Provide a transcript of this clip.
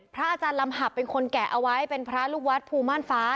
พระอาจารย์ลำหับเป็นคนแกะเอาไว้เป็นพระลูกวัดภูม่านฟ้า